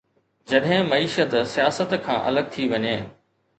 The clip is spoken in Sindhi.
جڏهن معيشت سياست کان الڳ ٿي وڃي.